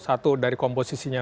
satu dari komposisinya